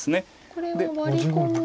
これはワリ込むと。